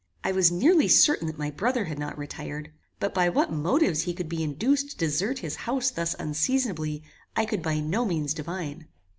I was nearly certain that my brother had not retired; but by what motives he could be induced to desert his house thus unseasonably I could by no means divine.